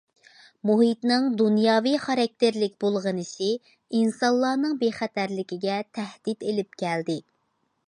مۇھىتنىڭ دۇنياۋى خاراكتېرلىك بۇلغىنىشى ئىنسانلارنىڭ بىخەتەرلىكىگە تەھدىت ئېلىپ كەلدى.